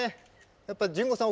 やっぱ淳悟さん